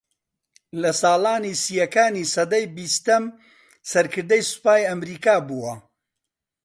لە ساڵانی سیەکانی سەدەی بیستەم سەرکردەی سوپای ئەمریکا بووە